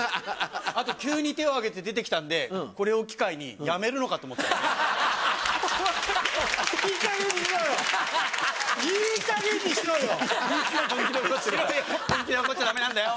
あと急に手を挙げて出てきたんで、これを機会に辞めるのかといいかげんにしろよ。